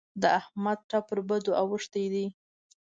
د احمد ټپ پر بدو اوښتی دی.